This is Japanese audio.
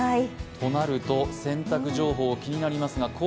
となると洗濯情報が気になりますが。